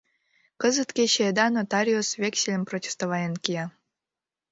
Кызыт кече еда нотариус вексельым протестоваен кия.